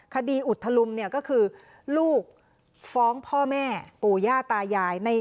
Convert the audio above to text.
คดีอุดทะลุมก็คือลูกฟ้องพ่อแม่ปู่ย่าตายาย